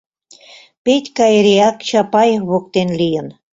Петька эреак Чапаев воктен лийын.